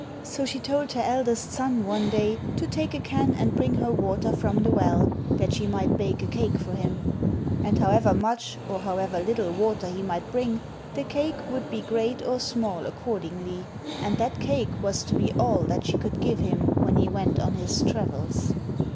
So she told her eldest son one day to take a can and bring her water from the well, that she might bake a cake for him ; and however much or however little water he might bring, the cake would be great or small accordingly, and that cake was to be all that she could give him when he went on his travels.